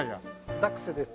ダックスです。